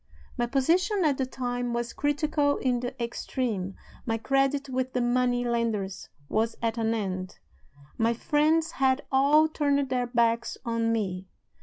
My position at the time was critical in the extreme. My credit with the money lenders was at an end; my friends had all turned their backs on me.